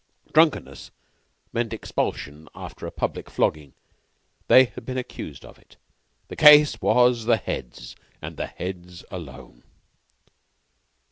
Drunkenness meant expulsion after a public flogging. They had been accused of it. The case was the Head's, and the Head's alone.